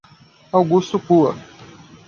Augusto Pua